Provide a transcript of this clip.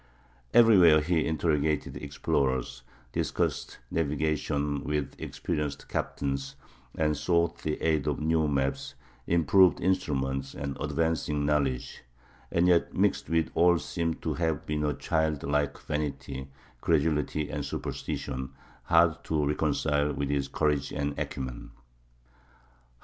Everywhere he interrogated explorers, discussed navigation with experienced captains, and sought the aid of new maps, improved instruments, and advancing knowledge; and yet mixed with all seem to have been a childlike vanity, credulity, and superstition, hard to reconcile with his courage and acumen.